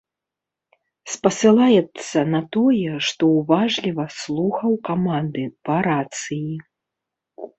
Спасылаецца на тое, што уважліва слухаў каманды па рацыі.